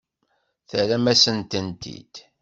Terram-asent-tent-id.